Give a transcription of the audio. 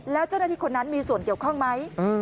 แล้วเจ้าหน้าที่คนนั้นมีส่วนเกี่ยวข้องไหม